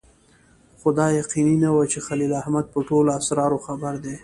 خو دا یقیني نه وه چې خلیل احمد په ټولو اسرارو خبر دی.